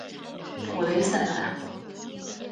普雷赛莱。